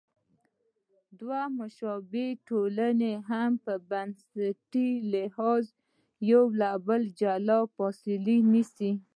دوه مشابه ټولنې هم په بنسټي لحاظ له یو بله جلا او فاصله نیسي.